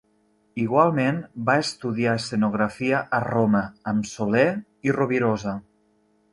Igualment, va estudiar escenografia a Roma, amb Soler i Rovirosa.